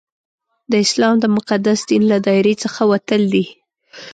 د اسلام د مقدس دین له دایرې څخه وتل دي.